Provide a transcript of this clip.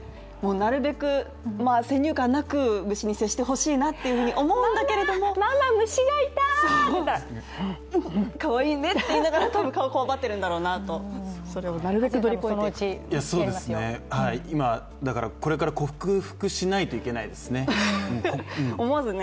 なるべく、先入観なく虫に接してほしいなと思うんですけどママ、虫がいたっていったらかわいいねって言いながら、多分顔、こわばっているんだろうなとそれをなるべく乗り越えてこれから克服しないといけないですね。